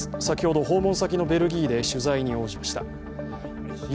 先ほど、訪問先のベルギーで取材に応じました。